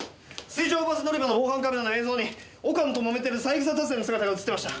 水上バス乗り場の防犯カメラの映像に岡野と揉めてる三枝達也の姿が映ってました。